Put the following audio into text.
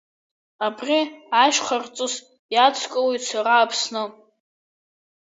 Абри ашьхарҵыс иадскылоит сара Аԥсны!